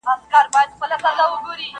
ما و پېژندی دوي ته مي وویل.